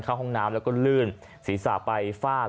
เข้าห้องน้ำแล้วก็ลื่นศีรษะไปฟาด